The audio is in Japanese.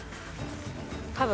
多分。